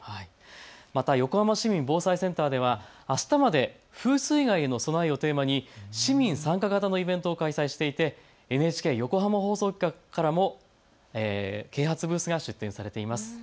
また横浜市民防災センターではあしたまで風水害への備えをテーマに市民参加型のイベントを開催していてＮＨＫ横浜放送局からも啓発ブースが出展されています。